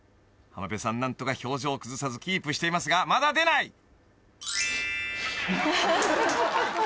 ［浜辺さん何とか表情を崩さずキープしていますがまだ出ない］